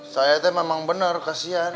saya tuh memang bener kasihan